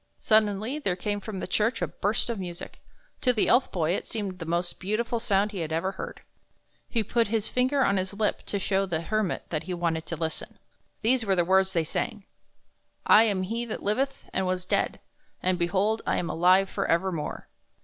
Suddenly there came from the church a burst of music. To the Elf Boy it seemed the most beautiful sound he had ever heard. He put his finger on his lip to show the Hermit that he wanted to listen. These were the words they sang: "7 am He that liveth, and was dead ; and, behold, I am alive for evermore